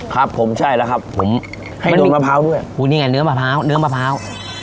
ครับผมใช่แล้วครับผมให้โดนมะพร้าวด้วยอุ้ยนี่ไงเนื้อมะพร้าวเนื้อมะพร้าว